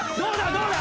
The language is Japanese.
どうだ？